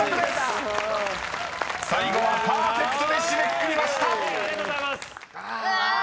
［最後はパーフェクトで締めくくりました］